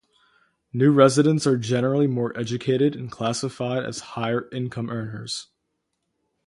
New residents are generally more educated and classified as higher income earners.